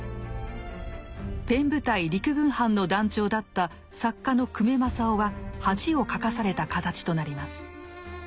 ペン部隊陸軍班の団長だった作家の久米正雄は恥をかかされた形となります。